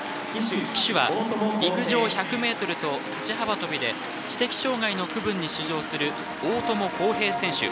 旗手は陸上１００ｍと立ち幅跳びで知的障害の区分に出場する大友康平選手。